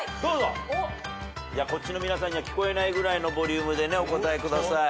こっちの皆さんには聞こえないぐらいのボリュームでお答えください。